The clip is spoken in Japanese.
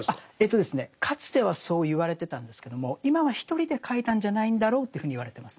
かつてはそう言われてたんですけども今は１人で書いたんじゃないんだろうというふうに言われてますね。